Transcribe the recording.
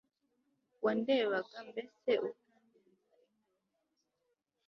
wandebaga mbese utandenza ingohe